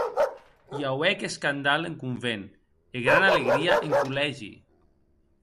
I auec escandal en convent, e grana alegria en collègi.